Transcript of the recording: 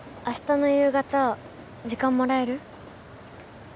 明日の夕方時間もらえる？